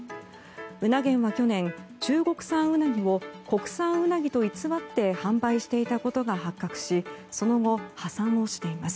うな源は去年、中国産ウナギを国産ウナギと偽って販売していたことが発覚しその後、破産をしています。